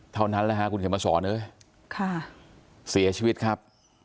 เท่านั้นเลยค่ะคุณก็มาสอนเลยเสียชวิตครับ